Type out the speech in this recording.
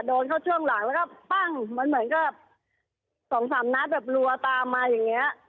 โดนเข้าช่วงหลังแล้วก็ปั้งมันเหมือนกับสองสามนัดแบบรัวตามมาอย่างเงี้ย